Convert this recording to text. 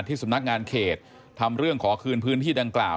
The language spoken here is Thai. สำนักงานเขตทำเรื่องขอคืนพื้นที่ดังกล่าว